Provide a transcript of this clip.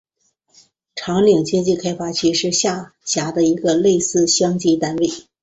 长岭经济开发区是下辖的一个类似乡级单位。